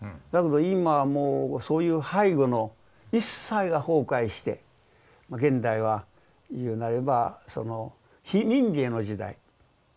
だけど今はもうそういう背後の一切は崩壊して現代は言うなればその非民藝の時代。